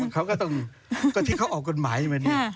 เขาก็ต้องทิ้งเขาออกกฎหมายเหมือนนี้